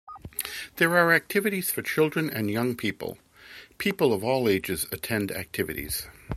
There are activities for children and young people: people of all ages attend activities.